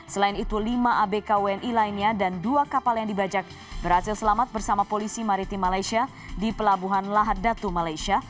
selain itu lima abk wni lainnya dan dua kapal yang dibajak berhasil selamat bersama polisi maritim malaysia di pelabuhan lahat datu malaysia